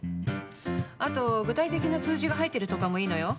あとは具体的な数字が入っているとかもいいのよ。